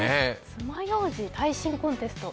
爪ようじ耐震コンテスト。